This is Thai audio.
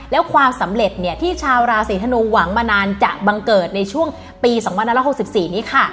แล้วความสำเร็จเนี่ยที่ชาวราศีธนูหวังมานานจะบังเกิดในช่วงปี๒๑๖๔นี้ค่ะ